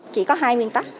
chỉ có hai nguyên tắc